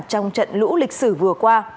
trong trận lũ lịch sử vừa qua